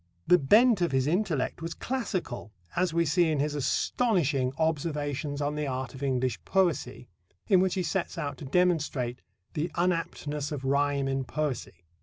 The bent of his intellect was classical, as we see in his astonishing Observations on the Art of English Poesy, in which he sets out to demonstrate "the unaptness of rhyme in poesy."